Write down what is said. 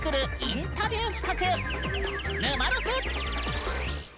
インタビュー企画「ぬまろく」。